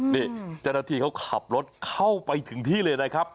นี่เจ้าหน้าที่เขาขับรถเข้าไปถึงที่เลยนะครับ